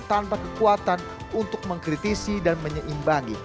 tanpa kekuatan untuk mengkritisi dan menyeimbangi